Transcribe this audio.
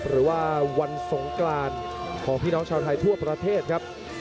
หรือว่าวันสงกรานของพี่น้องชาวไทยทั่วประเทศครับ